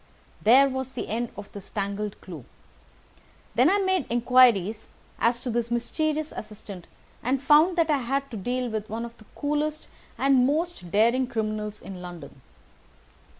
There was the end of this tangled clue. Then I made inquiries as to this mysterious assistant and found that I had to deal with one of the coolest and most daring criminals in London.